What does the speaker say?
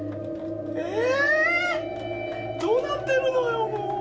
どうなってるのよ、もう。